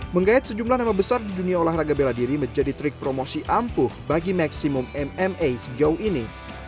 menggayat sejumlah nama besar di dunia olahraga bela diri menjadi trik promosi ampuh bagi maximum mma sejauh ini